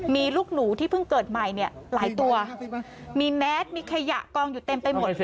มีลูกหนูที่เพิ่งเกิดใหม่เนี่ยหลายตัวมีแมสมีขยะกองอยู่เต็มไปหมด